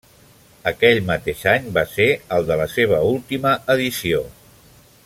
Aquell mateix any va ser el de la seva última edició.